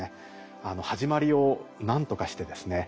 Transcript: はじまりをなんとかしてですね